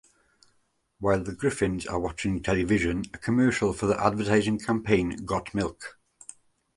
While the Griffins are watching television a commercial for the advertising campaign Got Milk?